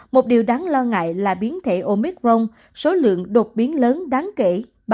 một điều đáng lo ngại là biến thể omicron số lượng đột biến lớn đáng kể ba mươi hai